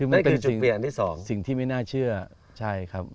นั่นเป็นจุดเปลี่ยนอันที่สองสิ่งที่ไม่น่าเชื่อใช่ครับ